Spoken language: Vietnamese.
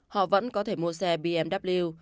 họ vẫn có thể mua xe bmw